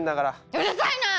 うるさいな！